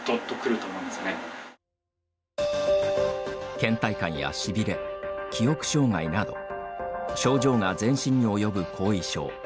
けん怠感やしびれ記憶障害など症状が全身に及ぶ後遺症。